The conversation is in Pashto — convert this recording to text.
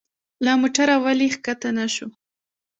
له موټره ولي کښته نه شو؟